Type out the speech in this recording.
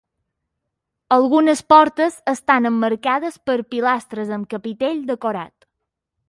Algunes portes estan emmarcades per pilastres amb capitell decorat.